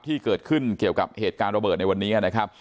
ที่เกิดขึ้นเกี่ยวกับเหตุการณ์ระเบิดในวันนี้นะครับ